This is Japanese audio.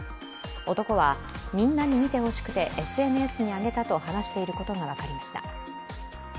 男は、みんなに見てほしくてＳＮＳに上げたと話していることが分かりました。